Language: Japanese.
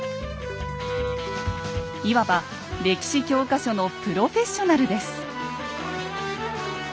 いわば歴史教科書のプロフェッショナルです。